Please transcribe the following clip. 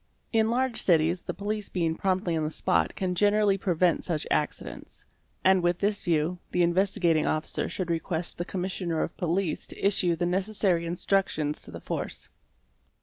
| In large cities the police being promptly on the spot can generally prevent such accidents ; and with this view, the Investigating Officer should request the Commissioner of Police to issue the necessary instruc tions to the force.